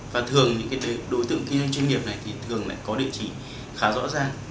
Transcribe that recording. và thường những cái đối tượng kinh doanh chuyên nghiệp này thì thường lại có địa chỉ khá rõ ràng